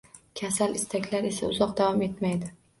Kasal istaklar esa uzoq davom etmaydi